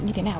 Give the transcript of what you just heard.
như thế nào